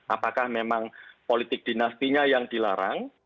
apakah memang politik dinastinya yang dilarang